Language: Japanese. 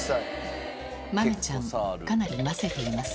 豆ちゃん、かなりませています。